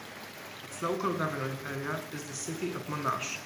Its local government area is the City of Monash.